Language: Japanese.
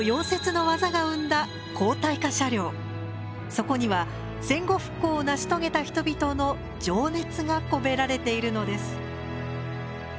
そこには戦後復興を成し遂げた人々の情熱が込められているのです。